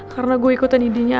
karena gua ikutan idinya ardi